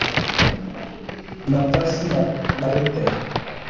natassia malthe